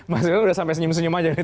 mas zul udah sampai senyum senyum aja nih